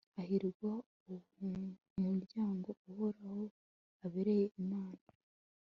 hahirwa umuryango uhoraho abereye imana